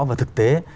và thực tế